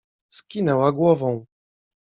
Skinęła głową.